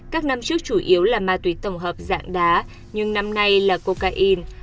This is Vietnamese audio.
các năm trước chủ yếu là ma túy tổng hợp dạng đá nhưng năm nay là cocaine